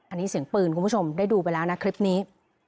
อันนี้เสียงปืนคุณผู้ชมได้ดูไปแล้วนะคลิปนี้